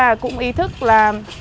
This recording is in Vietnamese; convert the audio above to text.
mình cũng ý thức là